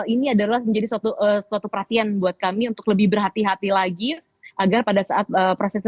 ini adalah menjadi suatu perhatian buat kami untuk lebih berhati hati lagi agar pada saat proses